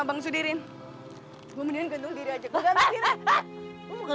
bang omah tolong titik bang omah